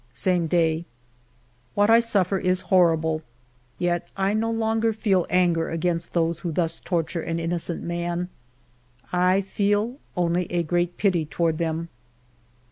Same day. What I suffer is horrible, yet I no longer feel anger against those who thus torture an innocent man ; I feel only a great pity toward them.